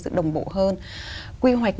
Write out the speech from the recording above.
sự đồng bộ hơn quy hoạch